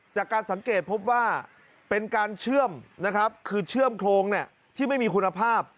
จากการสังเกตพบว่าเป็นการเชื่อมนะครับคือเชื่อมโครงที่ไม่มีคุณภาพ